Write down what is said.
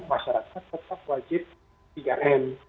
masyarakat tetap wajib tiga m